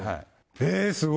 えー、すごい。